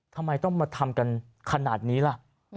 ทำไมต้องมาทำกันขนาดนี้ล่ะ